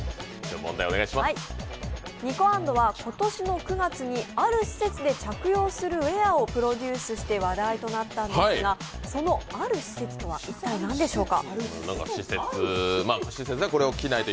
ｎｉｋｏａｎｄは今年の９月にある施設で着用するウエアをプロデュースして話題になったんですが、そのある施設とは一体何でしょうか？